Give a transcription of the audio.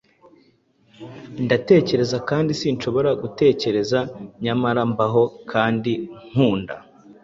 Ndatekereza, kandi sinshobora gutekereza; nyamara mbaho kandi nkunda.